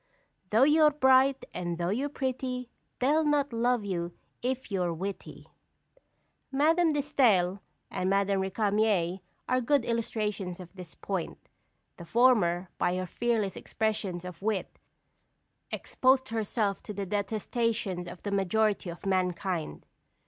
"Though you're bright, and though you're pretty, They'll not love you if you're witty." Madame de Staël and Madame Récamier are good illustrations of this point. The former, by her fearless expressions of wit, exposed herself to the detestation of the majority of mankind.